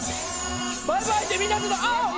バイバイってみんなちょっと。